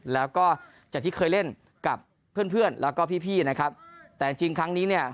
แล้วก็จากที่เคยเล่นกับเพื่อนแล้วก็พี่นะครับแต่จริงครั้งนี้เนี่ย